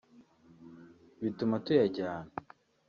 bituma tuyajyana